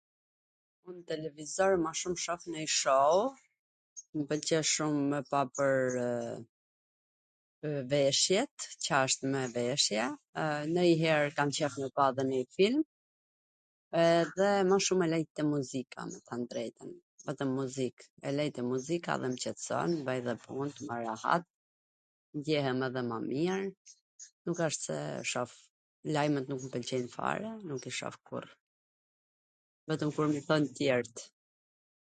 Un televizor ma shum shoh ndonj shou, mw pwlqen shum me pa pwrw veshjet, Ca wsht me veshje, nonjwher kam qef me pa edhe nonj film, edhe mw shum e lej te muzika, me thwn t drejtwn, nw muzik, e lej te muzika dhe mw qetson, bwj dhe punt me radh... ndjehem edhe ma mir, nuk asht se shof... lajmet nuk mw pwlqejn fare, nuk i shof kurr... vetwm kur m i thon tw tjert.